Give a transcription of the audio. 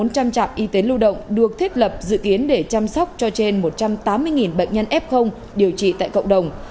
bốn trăm linh trạm y tế lưu động được thiết lập dự kiến để chăm sóc cho trên một trăm tám mươi bệnh nhân f điều trị tại cộng đồng